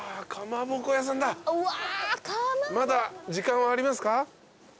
まだ時間はありますか？